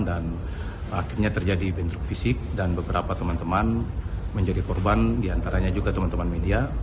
dan akhirnya terjadi bentruk fisik dan beberapa teman teman menjadi korban diantaranya juga teman teman media